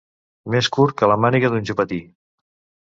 Més curt que la màniga d'un jupetí.